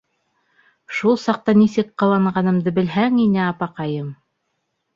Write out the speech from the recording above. Шул саҡта нисек ҡыуанғанымды белһәң ине, апаҡайым!